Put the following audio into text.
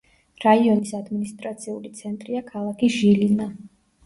რაიონის ადმინისტრაციული ცენტრია ქალაქი ჟილინა.